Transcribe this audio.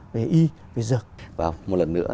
về y về dược vâng một lần nữa